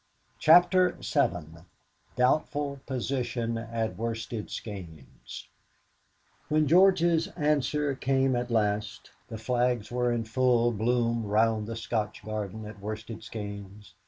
CHAPTER VII DOUBTFUL POSITION AT WORSTED SKEYNES When George's answer came at last, the flags were in full bloom round the Scotch garden at Worsted Skeynes.